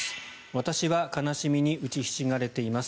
私は悲しみに打ちひしがれています。